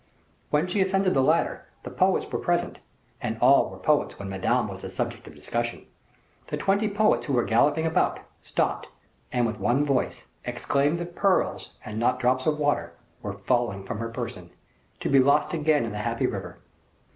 When she ascended the ladder, the poets were present and all were poets when Madame was the subject of discussion the twenty poets who were galloping about, stopped, and with one voice, exclaimed that pearls, and not drops of water, were falling from her person, to be lost again in the happy river.